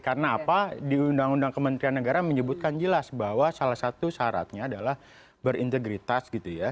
karena apa di undang undang kementerian negara menyebutkan jelas bahwa salah satu syaratnya adalah berintegritas gitu ya